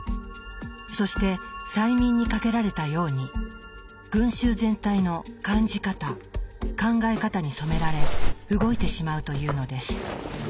そして催眠にかけられたように群衆全体の感じ方考え方に染められ動いてしまうというのです。